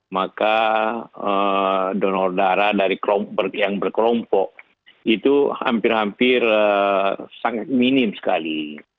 maka donor darah dari yang berkelompok itu hampir hampir sangat minim sekali